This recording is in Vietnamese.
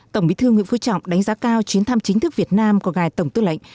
tổng bí thư nguyễn phú trọng đánh giá cao chuyến thăm chính thức việt nam của ngài tổng tư lệnh